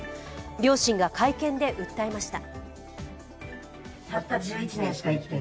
両親が会見で訴えました。